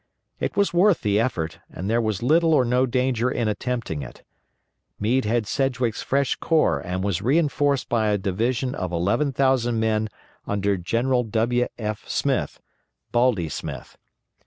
It was worth the effort and there was little or no danger in attempting it. Meade had Sedgwick's fresh corps and was reinforced by a division of 11,000 men under General W. F. Smith (Baldy Smith).